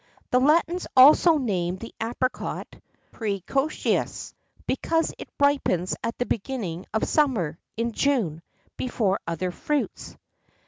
[XII 61] The Latins also named the apricot præcocia (precocious), because it ripens at the beginning of summer (in June) before other fruits.